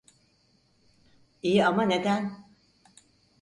İyi ama neden?